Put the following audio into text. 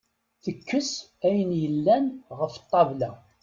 Tekkes ayen yellan ɣef ṭṭabla.